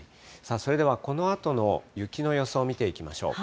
それではこのあとの雪の予想を見ていきましょう。